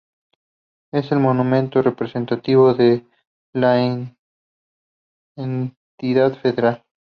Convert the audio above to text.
Es el monumento representativo de la entidad federal.